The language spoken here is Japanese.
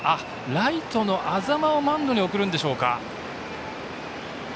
ライトの安座間をマウンドに送るんでしょうか。